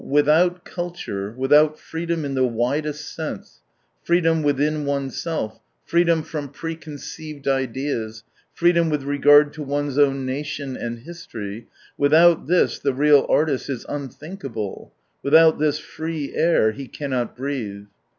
with out culture, without freedom in the widest sense, freedom within oneself, freedom from preconceived ideas, freedom with regard to one's own nation and history, without this, the real artist is unthinkable ; without this free air he cannot breathe."